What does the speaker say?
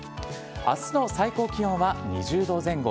あすの最高気温は２０度前後。